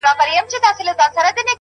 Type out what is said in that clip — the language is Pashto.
نور خپلي ويني ته شعرونه ليكو،